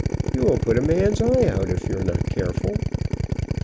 You will put a man's eyes out if you are not careful."